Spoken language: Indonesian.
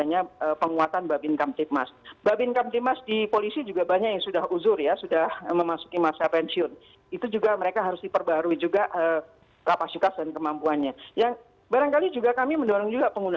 yang dikirimkan ke polisian